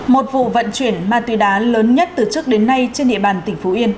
một vụ vận chuyển ma túy đá lớn nhất từ trước đến nay trên địa bàn tỉnh phú yên